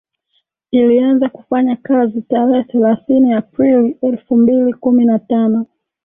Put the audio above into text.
ilianza kufanya kazi tarehe thelathini aprili elfu mbili kumi na tano